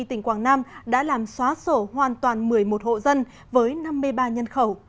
tỉnh quảng nam đã làm xóa sổ hoàn toàn một mươi một hộ dân với năm mươi ba nhân khẩu